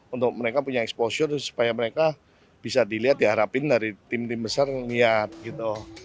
untuk mereka punya exposure supaya mereka bisa dilihat diharapin dari tim tim besar niat gitu